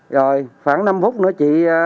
rồi khoảng năm phút nữa chị